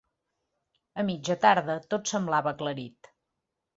A mitja tarda, tot semblava aclarit.